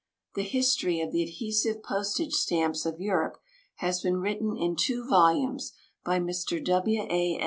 The History of the Adhesive Postage Stamps of Europe has been written in two volumes by Mr. W. A.